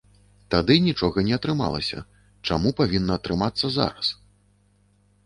Тады нічога не атрымалася, чаму павінна атрымацца зараз?